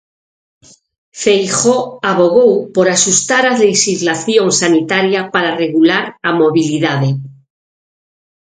Feijóo avogou por axustar a lexislación sanitaria para regular a mobilidade.